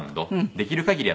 できる限り